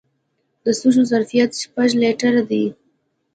د سږو ظرفیت شپږ لیټره دی.